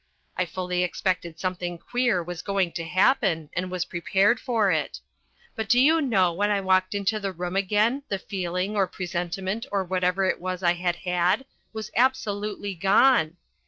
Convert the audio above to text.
I fully expected something queer was going to happen and was prepared for it. But do you know when I walked into the room again the feeling, or presentiment, or whatever it was I had had, was absolutely gone.